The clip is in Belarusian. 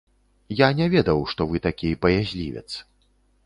Я не ведаў, што вы такі баязлівец.